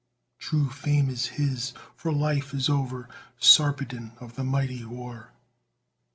_True fame is his, for life is o'er Sarpedon of the mighty war.